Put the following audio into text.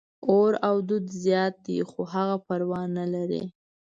اور او دود زیات دي، خو هغه پروا نه لري.